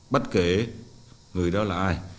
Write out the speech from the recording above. bất kể người đó là ai